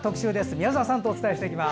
宮澤さんとお伝えします。